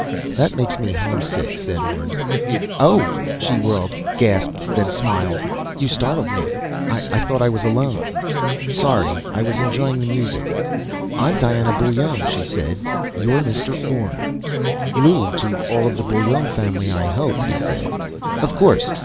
"That makes me homesick," said Orne. "Oh!" She whirled, gasped, then smiled. "You startled me. I thought I was alone." "Sorry. I was enjoying the music." "I'm Diana Bullone," she said. "You're Mr. Orne." "Lew to all of the Bullone family, I hope," he said. "Of course